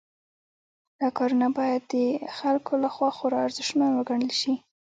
دا کارونه باید د خلکو لخوا خورا ارزښتمن وګڼل شي.